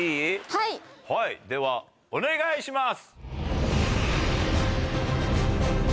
はいではお願いします。